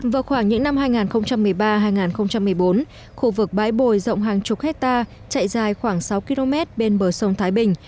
vào khoảng những năm hai nghìn một mươi ba hai nghìn một mươi bốn khu vực bãi bồi rộng hàng chục hectare chạy dài khoảng sáu km bên bờ sông thái bình